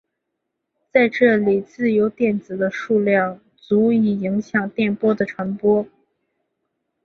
在这里自由电子的数量足以影响电波的传播。